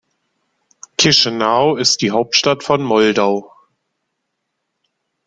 Chișinău ist die Hauptstadt von Moldau.